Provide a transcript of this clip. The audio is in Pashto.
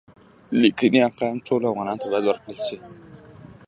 لیکانی يا قلم ټولو افغانانو ته باید ورکړل شي.